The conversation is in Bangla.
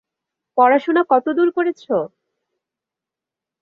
পড়াশুনা কতদূর করেছ?